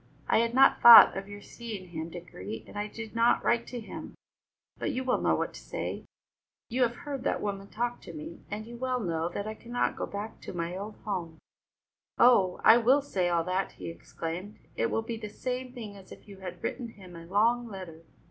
I had not thought of your seeing him, Dickory, and I did not write to him, but you will know what to say. You have heard that woman talk of me, and you well know I cannot go back to my old home." "Oh, I will say all that!" he exclaimed. "It will be the same thing as if you had written him a long letter.